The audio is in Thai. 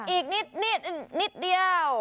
อีกนิดเดียว